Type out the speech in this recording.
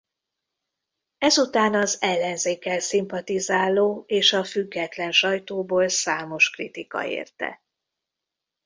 Ezután az ellenzékkel szimpatizáló és a független sajtóból számos kritika érte.